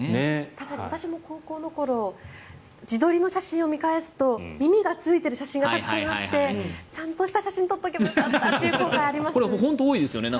確かに私も高校の頃自撮りの写真を見返すと耳がついている写真がたくさんあってちゃんとした写真を撮っておけばよかったという後悔があります。